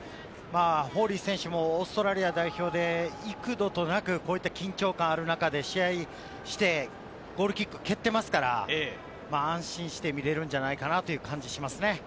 フォーリー選手もオーストラリア代表で幾度となく、こういった緊張感がある中で試合をして、ゴールキックを蹴っていますから、安心して見れるんじゃないかなという感じがしますね。